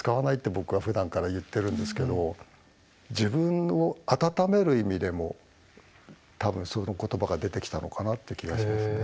僕はふだんから言ってるんですけど自分を温める意味でも多分その言葉が出てきたのかなって気がしますね。